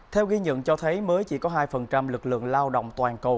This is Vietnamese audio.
theo ghi nhận cho thấy mới chỉ có hai lực lượng lao động toàn cầu